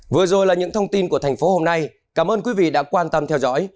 vừa rồi là những thông tin của thành phố hôm nay cảm ơn quý vị đã quan tâm theo dõi